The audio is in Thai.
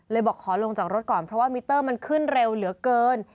บอกขอลงจากรถก่อนเพราะว่ามิเตอร์มันขึ้นเร็วเหลือเกิน